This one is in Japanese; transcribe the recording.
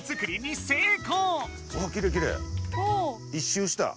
１周した。